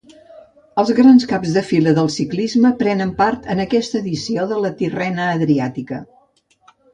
Els grans caps de fila del ciclisme prenen part en aquesta edició de la Tirrena-Adriàtica.